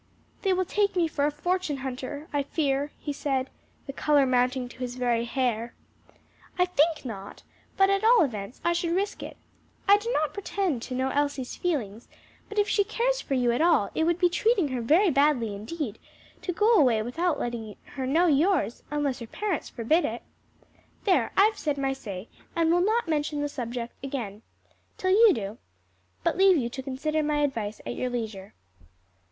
"They will take me for a fortune hunter, I fear," he said, the color mounting to his very hair. "I think not; but at all events, I should risk it. I do not pretend to know Elsie's feelings, but if she cares for you at all, it would be treating her very badly indeed, to go away without letting her know yours; unless her parents forbid it. "There, I've said my say, and will not mention the subject again till you do, but leave you to consider my advice at your leisure."